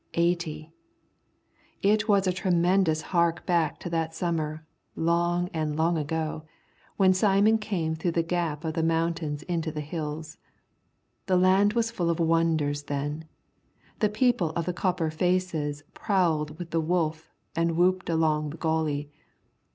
Eighty! It was a tremendous hark back to that summer, long and long ago, when Simon came through the gap of the mountains into the Hills. The land was full of wonders then. The people of the copper faces prowled with the wolf and whooped along the Gauley.